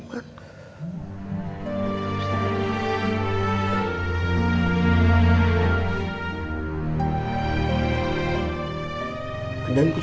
jadi orang selemah lemahnya orang beriman